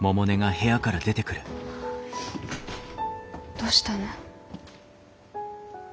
どうしたの？